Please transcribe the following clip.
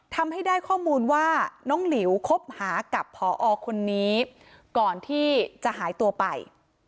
ทำให้ได้ข้อมูลว่าน้องหลิวคบหากับพอคนนี้ก่อนที่จะหายตัวไป